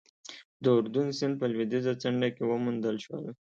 د اردون سیند په لوېدیځه څنډه کې وموندل شول.